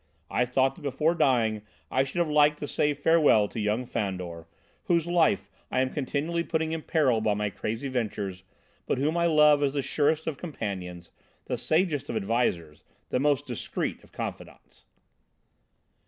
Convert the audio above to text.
I thought that before dying I should have liked to say farewell to young Fandor, whose life I am continually putting in peril by my crazy ventures, but whom I love as the surest of companions, the sagest of advisers, the most discreet of confidants."